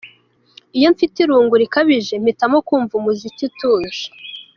Iyo mfite irungu rikabije mpitamo kumva umuziki utuje.